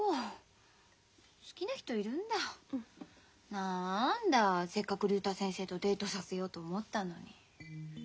なんだせっかく竜太先生とデートさせようと思ったのに。